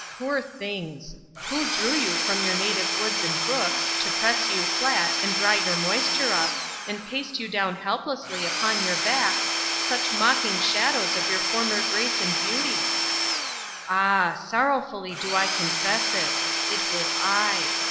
Poor things! Who drew you from your native woods and brooks, to press you flat, and dry your moisture up, and paste you down helplessly upon your backs, such mocking shadows of your former grace and beauty? Ah! sorrowfully do I confess it! It was I.